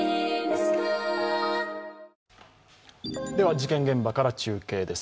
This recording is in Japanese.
事件現場から中継です。